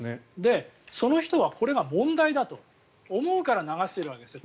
その人はこれが問題だと思うから流しているわけですよ。